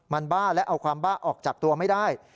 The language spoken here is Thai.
มันบ้าและเอาความบ้าออกจากตัวไม่ได้